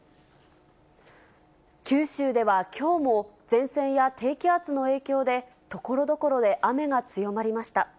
九州ではきょうも、前線や低気圧の影響で、ところどころで雨が強まりました。